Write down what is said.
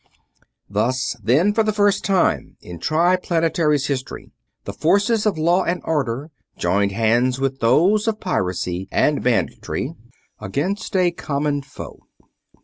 Thus, then, for the first time in Triplanetary's history, the forces of law and order joined hands with those of piracy and banditry against a common foe.